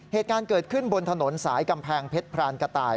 เหตุการณ์เกิดขึ้นบนถนนสายกำแพงเพชรพรานกระต่าย